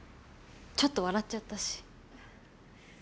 ちょっと笑っちゃったし。